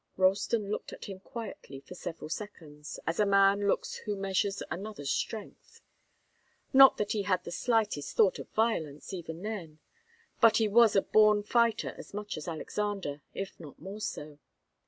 Ralston looked at him quietly for several seconds, as a man looks who measures another's strength. Not that he had the slightest thought of violence, even then; but he was a born fighter as much as Alexander, if not more so.